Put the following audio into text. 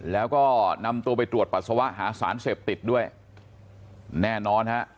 แล้วก็นำตัวไปตรวจปัสสาวะหาสารเสพติดด้วยแน่นอนฮะ